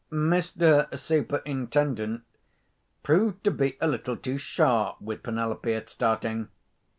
Mr. Superintendent proved to be a little too sharp with Penelope at starting.